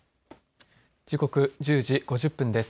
時刻１０時５０分です。